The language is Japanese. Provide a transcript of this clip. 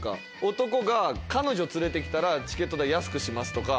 男が彼女連れて来たらチケット代安くしますとか。